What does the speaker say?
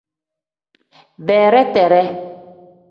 Bereteree.